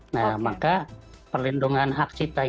nah maka perlindungan hak cipta itu